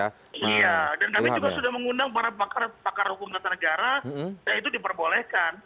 iya dan kami juga sudah mengundang para pakar pakar hukum tata negara ya itu diperbolehkan